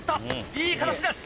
いい形です！